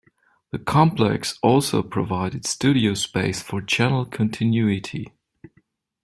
The complex also provided studio space for channel continuity.